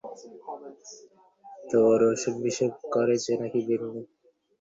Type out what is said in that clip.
তোর অসুখবিসুখ করেছে নাকি বিন্দু?